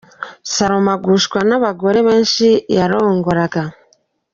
Salomo agushwa n’abagore benshi yarongoraga.